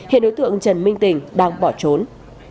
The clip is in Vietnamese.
hiện đối tượng trần minh tỉnh đang bỏ trốn